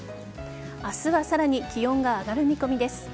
明日はさらに気温が上がる見込みです。